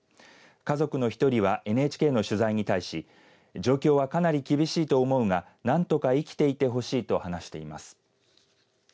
家族の１人はＮＨＫの取材に対し状況はかなり厳しいと思うがなんとか生きていてほしいと話しています。